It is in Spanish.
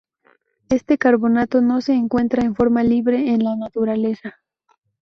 Este carbonato no se encuentra en forma libre en la naturaleza.